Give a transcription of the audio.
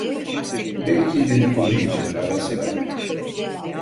Belki dedikodu için ara sıra…